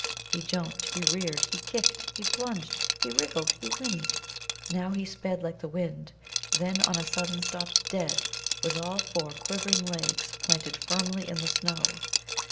He jumped, he reared, he kicked, he plunged, he wriggled, he whinnied. Now he sped like the wind, then on a sudden stopped dead, with all four quivering legs planted firmly in the snow.